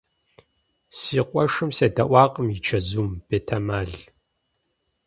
Си къуэшым седэӀуакъым и чэзум, бетэмал.